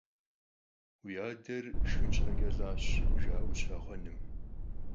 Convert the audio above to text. «Vui ader şşxın şheç'e lh'aş», jja'eu şraxhuenım ,